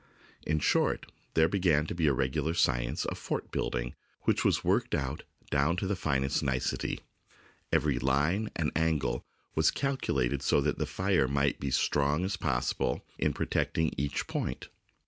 In short, there began to be a regular science of fort building, which was worked out down to the finest nicety. Every line and angle was calculated so that the fire might be as strong as possible in protecting each point.